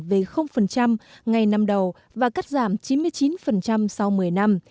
về ngày năm đầu và cắt giảm chín mươi chín sau một mươi năm